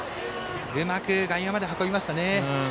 うまく外野まで運びましたね。